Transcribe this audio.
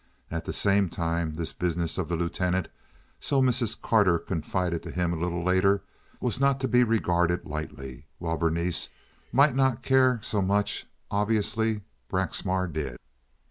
At the same time this business of the Lieutenant, so Mrs. Carter confided to him a little later, was not to be regarded lightly. While Berenice might not care so much, obviously Braxmar did.